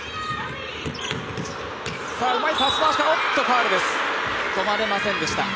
ファウルです止まれませんでした。